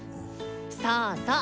そうそう。